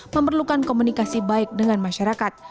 memerlukan komunikasi baik dengan masyarakat